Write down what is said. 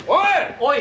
おい！